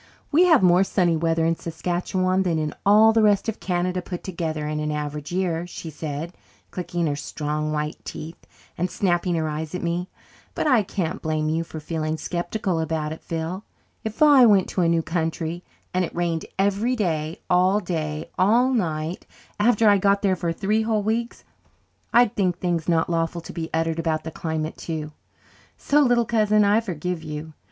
"We have more sunny weather in Saskatchewan than in all the rest of Canada put together, in an average year," she said, clicking her strong, white teeth and snapping her eyes at me. "But I can't blame you for feeling sceptical about it, Phil. If I went to a new country and it rained every day all day all night after I got there for three whole weeks I'd think things not lawful to be uttered about the climate too. So, little cousin, I forgive you.